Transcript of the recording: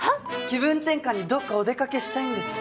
気分転換にどこかお出かけしたいんです。